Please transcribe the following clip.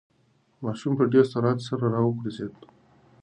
ماشوم په ډېر سرعت سره راوگرځېد.